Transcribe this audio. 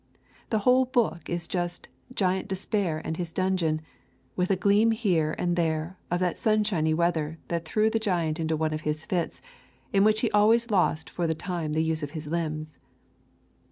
The whole book is just Giant Despair and his dungeon, with a gleam here and there of that sunshiny weather that threw the giant into one of his fits, in which he always lost for the time the use of his limbs.